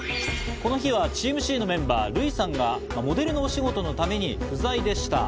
この日はチームＣのメンバー・ルイさんがモデルのお仕事のために不在でした。